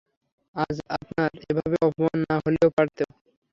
আজ আপনার এভাবে অপমান না হলেও পারতো।